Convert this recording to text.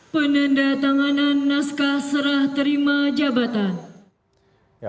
penanda tanganan naskah serah terima jabatan